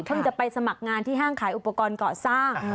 จะไปสมัครงานที่ห้างขายอุปกรณ์เกาะสร้าง